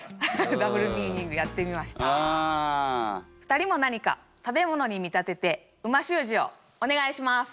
２人も何か食べ物に見立てて美味しゅう字をお願いします。